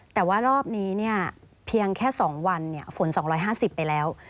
แต่ว่ารอบนี้เนี่ยเพียงแค่๒วันฝน๒๕๐ไปแล้ว